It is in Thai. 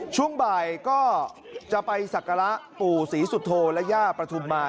ช่วงบ่ายก็จะไปศักระปู่ศรีสุโธและย่าประทุมมา